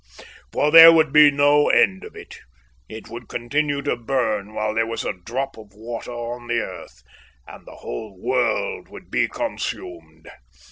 For there would be no end of it. It would continue to burn while there was a drop of water on the earth, and the whole world would be consumed.